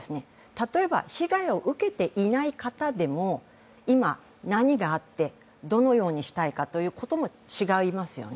例えば被害を受けていない方でも今、何があってどのようにしたいかということも違いますよね